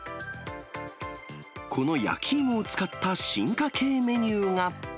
この焼き芋を使った進化系メニューが。